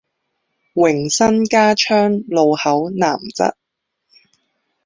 榮新加昌路口南側